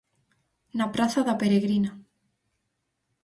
Na Praza da Peregrina.